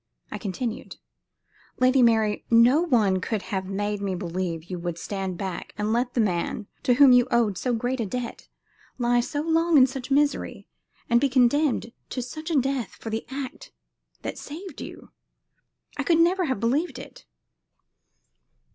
I continued: "Lady Mary, no one could have made me believe that you would stand back and let the man, to whom you owed so great a debt, lie so long in such misery, and be condemned to such a death for the act that saved you. I could never have believed it!"